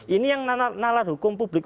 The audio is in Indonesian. ini yang nalat hukum publik